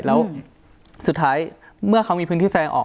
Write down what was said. แล้วสุดท้ายเมื่อเขามีพื้นที่แสดงออก